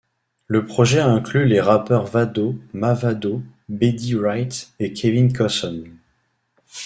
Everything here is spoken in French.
Le projet inclut les rappeurs Vado, Mavado, Betty Wright et Kevin Cossom.